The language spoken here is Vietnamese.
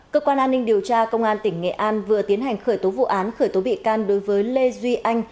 cơ quan an ninh điều tra công an tỉnh nghệ an vừa tiến hành khởi tố vụ án khởi tố bị can đối với lê duy anh